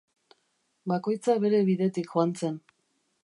Bakoitza bere bidetik joan zen.